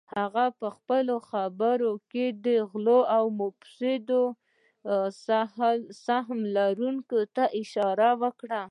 هغه پهخپلو خبرو کې غلو او مفسدو سهم لرونکو ته اشاره وکړه